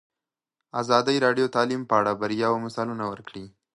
ازادي راډیو د تعلیم په اړه د بریاوو مثالونه ورکړي.